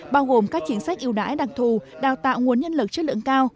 bao gồm các chính sách yêu đãi đặc thù đào tạo nguồn nhân lực chất lượng cao